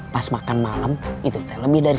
pas makan malam itu teh lebih dari